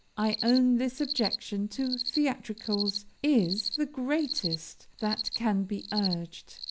I own this objection to theatricals is the greatest that can be urged.